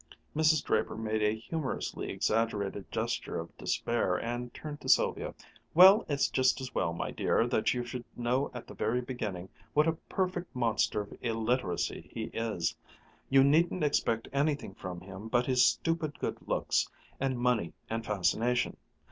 Mrs. Draper made a humorously exaggerated gesture of despair and turned to Sylvia. "Well, it's just as well, my dear, that you should know at the very beginning what a perfect monster of illiteracy he is! You needn't expect anything from him but his stupid good looks, and money and fascination.